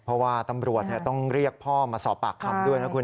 เพราะว่าตำรวจต้องเรียกพ่อมาสอบปากคำด้วยนะคุณ